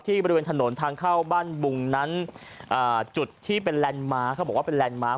บริเวณถนนทางเข้าบ้านบุงนั้นจุดที่เป็นแลนด์มาร์คเขาบอกว่าเป็นแลนดมาร์ค